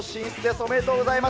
おめでとうございます。